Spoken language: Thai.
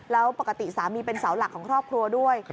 แล้วปกติสามีเป็นเสาหลักของครอบครัวด้วย